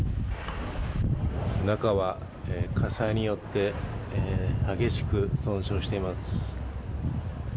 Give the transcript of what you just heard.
中は火災によって、激しく損傷しています。